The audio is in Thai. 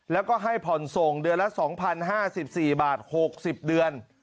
แล้วก็ให้ผ่อนส่งเดือนละ๒๐๕๔บาท๖๐เดือน